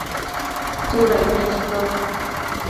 Tsudain nechitosh